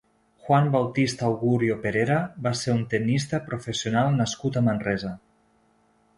Juan Bautista Augurio Perera va ser un tennista professional nascut a Manresa.